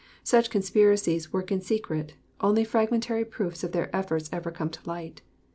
Since conspiracies work in secret, only fragmentary proofs of their efforts ever come to light.